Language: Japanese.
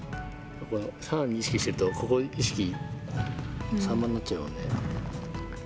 さらに意識してると、ここ、意識散漫になっちゃうよね。